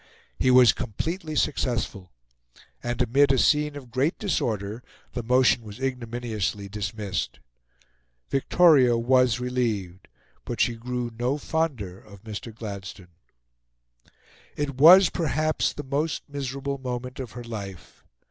He was completely successful; and amid a scene of great disorder the motion was ignominiously dismissed. Victoria was relieved; but she grew no fonder of Mr. Gladstone. It was perhaps the most miserable moment of her life.